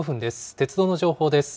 鉄道の情報です。